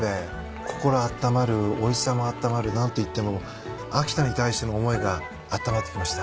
心あったまるおいしさもあったまる何といっても秋田に対しての思いがあったまってきました。